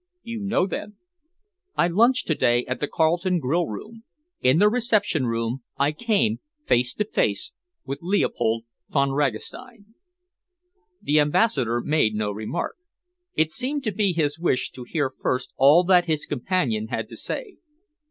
"You know, then?" "I lunched to day at the Carleton grill room. In the reception room I came face to face with Leopold Von Ragastein." The Ambassador made no remark. It seemed to be his wish to hear first all that his companion had to say.